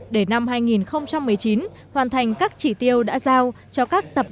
để năm hai nghìn một mươi chín hoàn thành các chỉ tiêu đã giao cho các tập